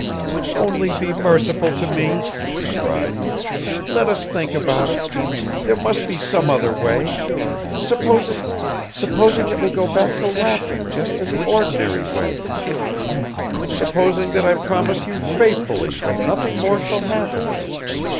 "Only be merciful to me," she cried. "Let us think about it. There must be some other way. Supposing ... supposing that we go back to Lapton just in the ordinary way: supposing that I promise you faithfully that nothing more shall happen.